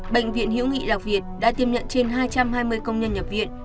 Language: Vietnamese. bệnh viện hiễu nghị lạc việt đã tiêm nhận trên hai trăm hai mươi công nhân nhập viện